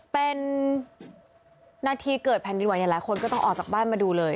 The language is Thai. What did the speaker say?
เป็นนาทีเกิดแผ่นดินไหวหลายคนก็ต้องออกจากบ้านมาดูเลย